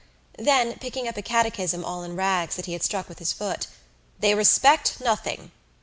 Then, picking up a catechism all in rags that he had struck with is foot, "They respect nothing!"